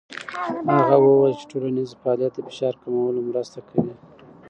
هغه وویل چې ټولنیز فعالیت د فشار کمولو کې مرسته کوي.